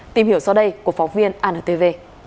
tìm hiểu sau đây của phóng viên antv